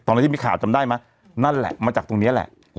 นั้นที่มีข่าวจำได้ไหมนั่นแหละมาจากตรงนี้แหละ